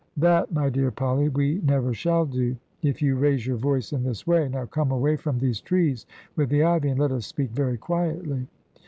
"That, my dear Polly, we never shall do, if you raise your voice in this way. Now come away from these trees with the ivy, and let us speak very quietly."